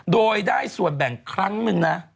โดยได้ส่วนแบ่งครั้งหนึ่งนะ